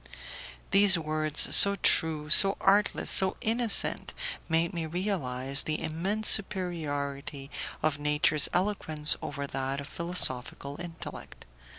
These words, so true, so artless, so innocent, made me realize the immense superiority of nature's eloquence over that of philosophical intellect.